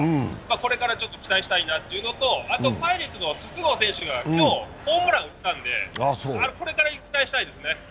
これから期待したいなというのとパイレーツの筒香選手が今日、ホームラン打ったのでこれから期待したいですね。